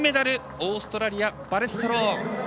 オーストラリア、バネッサ・ロー。